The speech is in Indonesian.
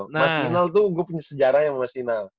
mas inal tuh gue punya sejarahnya sama mas inal